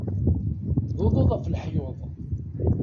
D uḍuḍ af leḥyuḍ.